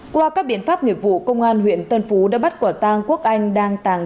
qua các biện pháp nghiệp vụ công an huyện tân phú đã bắt quả tang quốc anh đang tàng